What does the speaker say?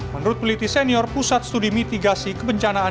menurut peliti senior pusat studi mitigasi kebencanaan